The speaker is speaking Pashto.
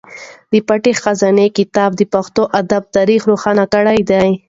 د پټې خزانې کتاب د پښتو ادب تاریخ روښانه کړی دی.